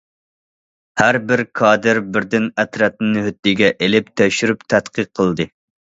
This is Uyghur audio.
ھەر بىر كادىر بىردىن ئەترەتنى ھۆددىگە ئېلىپ تەكشۈرۈپ تەتقىق قىلدى.